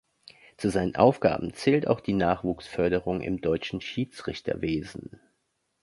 Zu seinen Aufgaben zählt auch die Nachwuchsförderung im deutschen Schiedsrichterwesen.